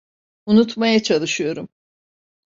Unutmaya çalışıyorum.